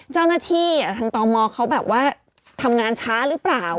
เจ้าหน้าที่ทางตมเขาแบบว่าทำงานช้าหรือเปล่า